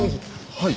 はい。